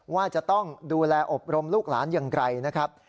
ว่าจะต้องดูแลอบรมลูกหลานอย่างไรนะครับ